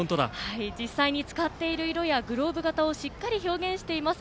実際に使っている色やグローブの型をしっかり表現しています。